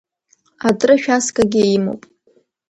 Атрышәасгагьы имоуп.